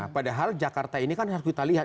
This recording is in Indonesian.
padahal jakarta ini kan harus kita lihat